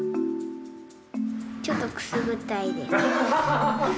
ちょっとくすぐったいです。